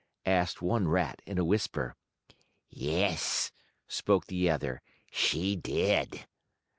asked one rat, in a whisper. "Yes," spoke the other, "she did."